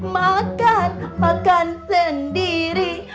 makan makan sendiri